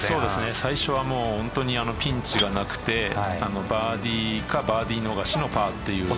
最初はピンチがなくてバーディーかバーディー逃しのパーか。